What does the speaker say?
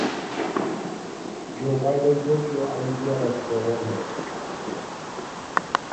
Jo Bayden Tokio Olimpiadasiga bormaydi